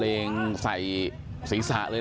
แม่ขี้หมาเนี่ยเธอดีเนี่ย